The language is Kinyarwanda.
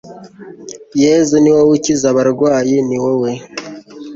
yezu ni wowe ukiza abarwayi, ni wowe